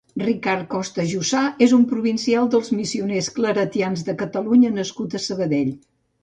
Ricard Costa-Jussà és un provincial dels Missioners Claretians de Catalunya nascut a Sabadell.